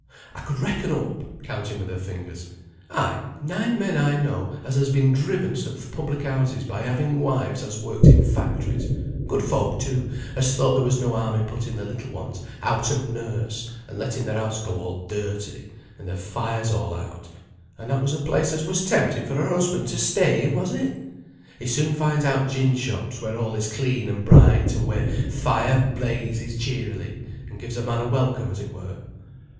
I could reckon up" (counting with her fingers) "ay, nine men I know, as has been driven to th' public house by having wives as worked in factories; good folk, too, as thought there was no harm in putting their little ones out at nurse, and letting their house go all dirty, and their fires all out; and that was a place as was tempting for a husband to stay in, was it? He soon finds out gin shops, where all is clean and bright, and where th' fire blazes cheerily, and gives a man a welcome as it were."